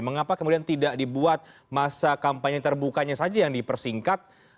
mengapa kemudian tidak dibuat masa kampanye terbukanya saja yang dipersingkat